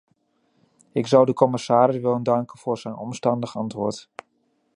Ik zou de commissaris willen danken voor zijn omstandig antwoord.